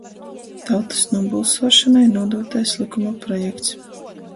Tautys nūbolsuošonai nūdūtais lykuma projekts,